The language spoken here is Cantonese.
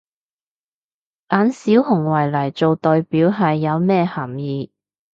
揀小熊維尼做代表係有咩含意？